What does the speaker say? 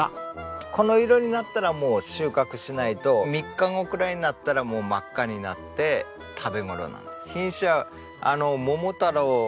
この色になったらもう収穫しないと３日後くらいになったらもう真っ赤になって食べ頃なんです。